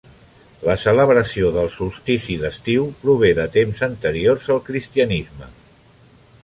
La celebració del solstici d'estiu prové de temps anteriors al cristianisme.